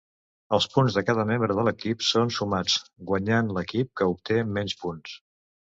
Els punts de cada membre de l'equip són sumats, guanyant l'equip que obté menys punts.